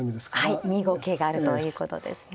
はい２五桂があるということですね。